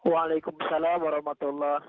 waalaikumsalam warahmatullahi wabarakatuh